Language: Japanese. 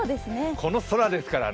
この空ですからね。